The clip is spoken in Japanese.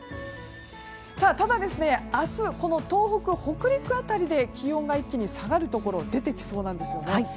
ただ、明日は東北、北陸辺りで気温が一気に下がるところが出てきそうなんです。